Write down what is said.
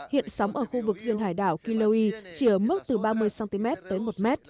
hiện sóng ở khu vực riêng hải đảo kilauea chỉ ở mức từ ba mươi cm tới một m